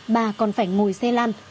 bà còn phải ngồi xe lăn